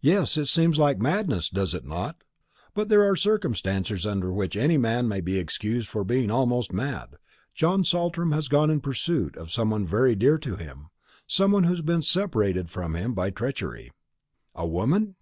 "Yes. It seems like madness, does it not? But there are circumstances under which a man may be excused for being almost mad. John Saltram has gone in pursuit of some one very dear to him, some one who has been separated from him by treachery." "A woman?"